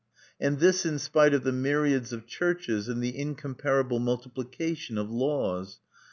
And this in spite of the myriads of churches, and the incomparable multiplication of laws!